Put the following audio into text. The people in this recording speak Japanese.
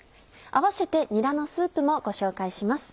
併せてにらのスープもご紹介します。